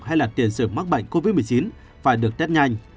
hay là tiền sử mắc bệnh covid một mươi chín phải được test nhanh